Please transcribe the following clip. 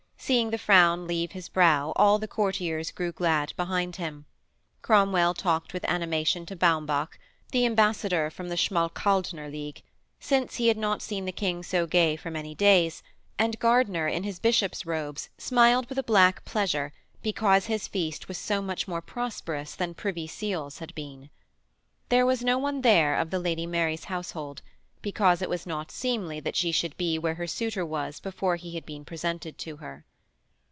Seeing the frown leave his brow all the courtiers grew glad behind him; Cromwell talked with animation to Baumbach, the ambassador from the Schmalkaldner league, since he had not seen the King so gay for many days, and Gardiner in his bishop's robes smiled with a black pleasure because his feast was so much more prosperous than Privy Seal's had been. There was no one there of the Lady Mary's household, because it was not seemly that she should be where her suitor was before he had been presented to her.